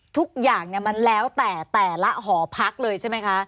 ทุกอย่างมันแล้วแต่แต่ละหอพักเลยใช่ไหมคะ